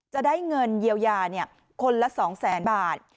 จะได้เงินเยียวยาคนละ๒๐๐๐๐บาท